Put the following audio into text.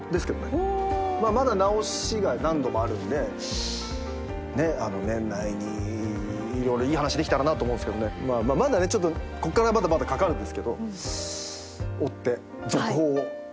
まあまだ直しが何度もあるんで年内に色々いい話ができたらなと思うんすけどねまだねちょっとこっからまだまだかかるんですけど追って続報を待ってください。